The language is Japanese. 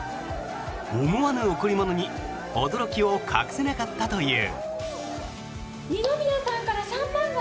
思わぬ贈り物に驚きを隠せなかったという。